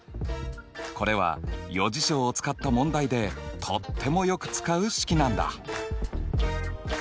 これは余事象を使った問題でとってもよく使う式なんだ！